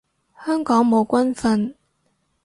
香港冇軍訓